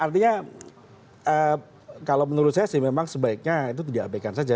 artinya kalau menurut saya sih memang sebaiknya itu diabaikan saja